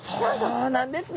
そうなんですね。